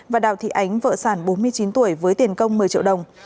và đào thị ánh vợ sản bốn mươi chín tuổi với tiền công một mươi triệu đồng